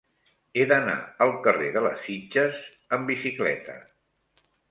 He d'anar al carrer de les Sitges amb bicicleta.